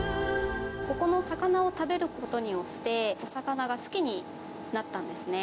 ここの魚を食べることによって、お魚が好きになったんですね。